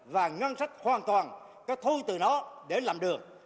và ngân sách hoàn toàn có thu từ nó để làm đường